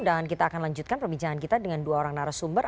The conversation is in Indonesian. dan kita akan lanjutkan perbincangan kita dengan dua orang narasumber